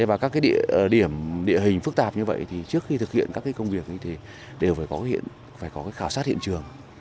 và các địa điểm địa hình phức tạp như vậy thì trước khi thực hiện các công việc thì đều phải có khảo sát hiện trường